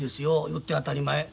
言って当たり前。